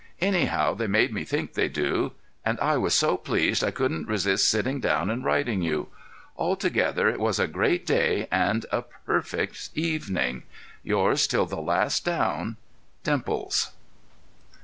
Anyhow, they made me think they do, and I was so pleased I couldn't resist sitting down and writing you. Altogether, it was a great day and a perfect evening. Yours till the last "down," DIMPLES.